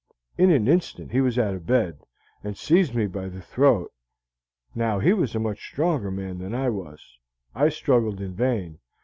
In an instant he was out of bed and seized me by the throat. Now, he was a much stronger man than I was. I struggled in vain.